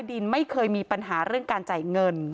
ความปลอดภัยของนายอภิรักษ์และครอบครัวด้วยซ้ำ